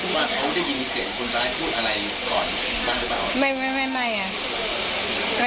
ว่าเขาได้ยินเสียงคนร้ายพูดอะไรก่อนบ้างหรือเปล่าไม่ไม่ไม่ไม่อ่ะ